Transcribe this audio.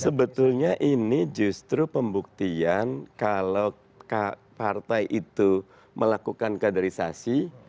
sebetulnya ini justru pembuktian kalau partai itu melakukan kaderisasi